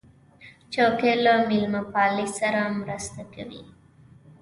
چوکۍ له میلمهپالۍ سره مرسته کوي.